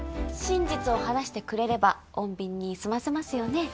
真実を話してくれれば穏便にすませますよね？